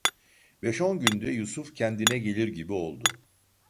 Beş on günde Yusuf kendine gelir gibi oldu.